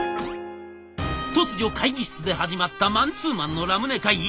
突如会議室で始まったマンツーマンのラムネ会議。